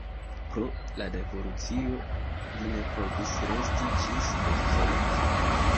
Pro la revolucio li ne povis resti ĝis doktoriĝo.